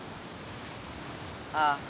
ああ。